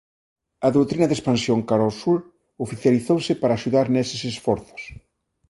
A doutrina de expansión cara ao sur oficializouse para axudar neses esforzos.